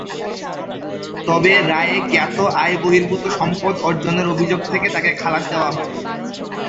তবে রায়ে জ্ঞাত আয়বহির্ভূত সম্পদ অর্জনের অভিযোগ থেকে তাঁকে খালাস দেওয়া হয়।